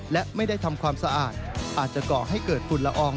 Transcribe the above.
และไม่ได้ทำความสะอาดอาจจะก่อให้เกิดฝุ่นละออง